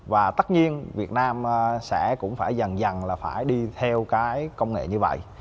và tất nhiên việt nam sẽ cũng phải dần dần là phải đi theo cái công nghệ như vậy